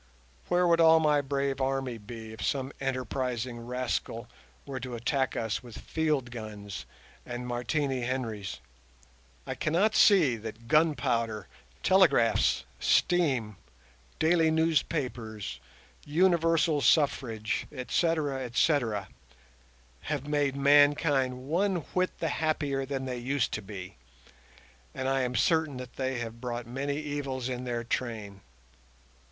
Where would all my brave army be if some enterprising rascal were to attack us with field guns and Martini Henrys? I cannot see that gunpowder, telegraphs, steam, daily newspapers, universal suffrage, etc., etc., have made mankind one whit the happier than they used to be, and I am certain that they have brought many evils in their train.